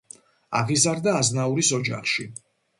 აღიზარდა აზნაურის ოჯახში.